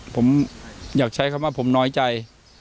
ผมอยากใช้คำว่าผมน้อยใจ